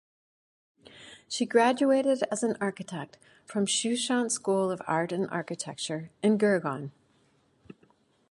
She graduated as an architect from Sushant School of Art and Architecture in Gurgaon.